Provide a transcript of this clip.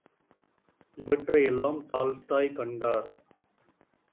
இவற்றையெல்லாம் டால்ஸ்டாய் கண்டார்!